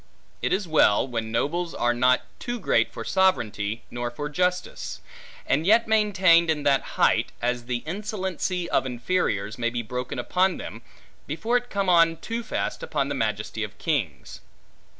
It is well, when nobles are not too great for sovereignty nor for justice; and yet maintained in that height, as the insolency of inferiors may be broken upon them, before it come on too fast upon the majesty of kings.